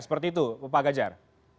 seperti itu bapak gajar